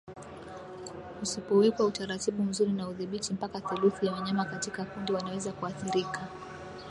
Kusipowekwa utaratibu mzuri na udhibiti mpaka theluthi ya wanyama katika kundi wanaweza kuathirika